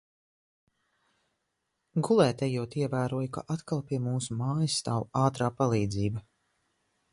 Gulēt ejot, ievēroju, ka atkal pie mūsu mājās stāv ātrā palīdzība.